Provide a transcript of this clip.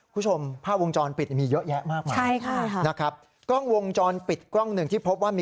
คุณชมภาพวงจรปิดมีเยอะแยะมากไหม